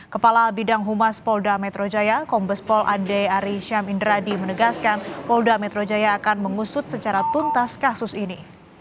kepala bidang humas polda metro jaya kombespol andde arisham indradi menegaskan polda metro jaya akan mengusut secara tuntas kasus ini